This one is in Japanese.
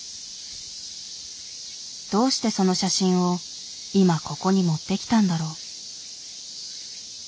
どうしてその写真を今ここに持ってきたんだろう？